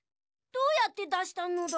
どうやってだしたのだ？